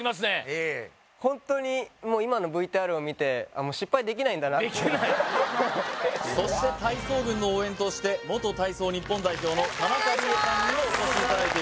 ホントにもう今のＶＴＲを見てあっもうできないそして体操軍の応援として元体操日本代表の田中理恵さんにもお越しいただいています